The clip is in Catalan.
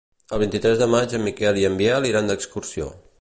El vint-i-tres de maig en Miquel i en Biel iran d'excursió.